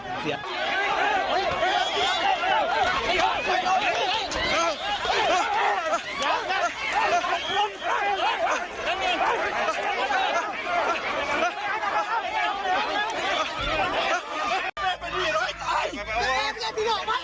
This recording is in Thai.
เมื่อกี่อย่างนี้แฟนนนูกตัวอยู่หลังอายุ